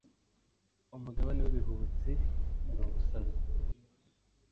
Umugabane w’ibihubutsi ni ubusazi